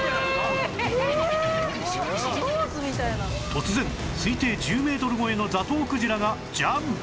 突然推定１０メートル超えのザトウクジラがジャンプ！